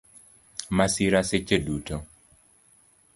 Masira seche duto